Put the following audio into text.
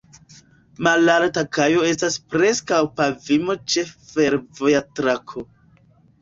Malalta kajo estas preskaŭ pavimo ĉe fervoja trako.